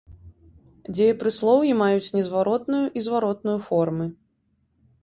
Дзеепрыслоўі маюць незваротную і зваротную формы.